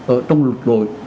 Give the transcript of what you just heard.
ở trong lụt lội